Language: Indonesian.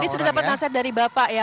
tadi sudah dapat nasihat dari bapak ya